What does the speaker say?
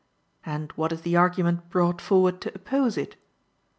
And what is the argument brought forward to oppose it?